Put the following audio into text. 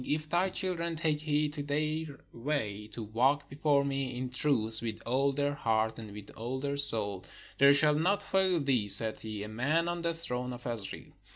If thy children take heed to their way, to walk before me in truth with all their heart and with all their soul, there shall not fail thee (said he) a man on the throne of Israel."